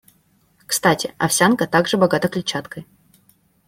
Кстати, овсянка также богата клетчаткой.